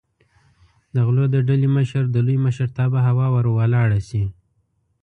د غلو د ډلې مشر د لوی مشرتابه هوا ور ولاړه شي.